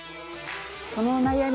そのお悩み